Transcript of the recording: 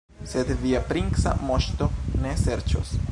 Sed via princa moŝto ne serĉos.